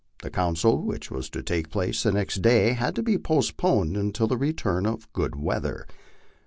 The council, which was to take place the next day, had to be postponed until the return of good weather.